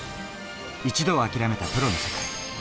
一度はあきらめたプロの世界。